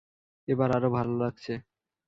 এবার আরো ভালো লাগছে।